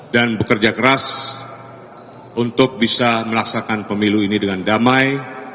dan bekerja keras untuk bisa melaksakan pemilu ini dengan damai